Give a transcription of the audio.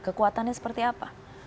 kekuatannya seperti apa